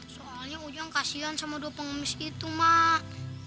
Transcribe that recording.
soalnya ujang kasihan sama dua pengumis itu mak